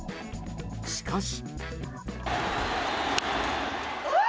しかし。